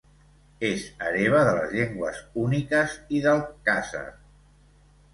És hereva de les llengües húnniques i del khàzar.